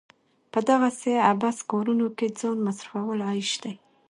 په دغسې عبث کارونو کې ځان مصرفول عيش دی.